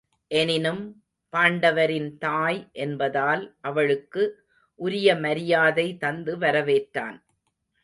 எனினும் பாண்டவரின் தாய் என்பதால் அவளுக்கு உரிய மரியாதை தந்து வரவேற்றான்.